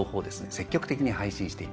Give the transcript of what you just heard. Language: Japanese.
積極的に配信しています。